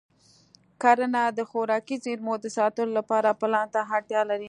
کرنه د خوراکي زېرمو د ساتلو لپاره پلان ته اړتیا لري.